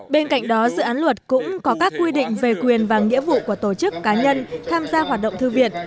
bên cạnh đó dự án luật cũng có các quy định về quyền và nghĩa vụ của tổ chức cá nhân tham gia hoạt động thư viện